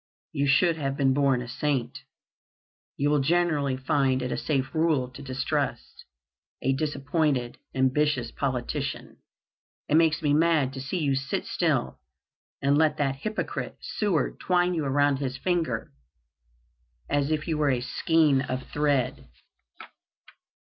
You should have been born a saint. You will generally find it a safe rule to distrust a disappointed, ambitious politician. It makes me mad to see you sit still and let that hypocrite, Seward, twine you around his finger as if you were a skein of thread."